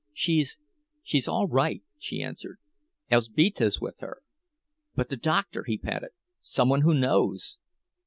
"She's—she's all right," she answered. "Elzbieta's with her." "But the doctor!" he panted. "Some one who knows!"